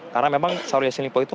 karena memang sarawak sini liku itu